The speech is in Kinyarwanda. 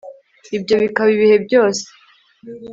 ibyo bikaba ibihe byose